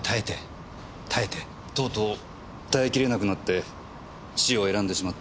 とうとう耐えきれなくなって死を選んでしまった。